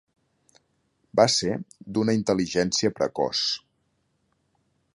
Va ser d'una intel·ligència precoç.